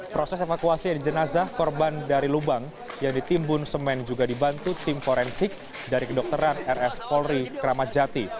proses evakuasi jenazah korban dari lubang yang ditimbun semen juga dibantu tim forensik dari kedokteran rs polri kramat jati